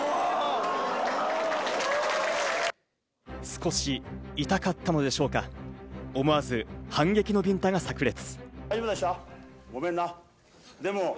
少し痛かったのでしょうか、思わず反撃のビンタがさく裂。